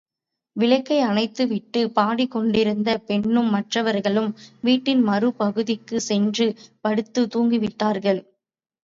விளக்கையணைத்துவிட்டுப் பாடிக் கொண்டிருந்த பெண்ணும் மற்றவர்களும் வீட்டின் மறு பகுதிக்குச் சென்று படுத்துத் தூங்கிவிட்டார்கள்.